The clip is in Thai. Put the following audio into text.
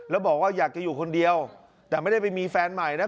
แล้วบอกว่าอยากจะอยู่คนเดียวแต่ไม่ได้ไปมีแฟนใหม่นะ